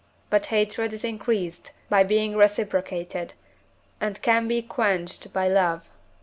But hatred is increased by being reciprocated, and can be quenched by love (III.